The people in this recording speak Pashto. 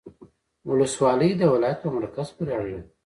ولسوالۍ د ولایت په مرکز پوري اړه لري